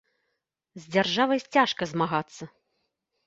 З дзяржавай цяжка змагацца.